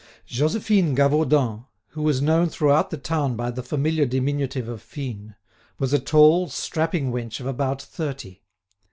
Josephine Gavaudan, who was known throughout the town by the familiar diminutive of Fine, was a tall, strapping wench of about thirty.